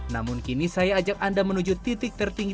namun kini saya ajak anda menuju titik tertinggi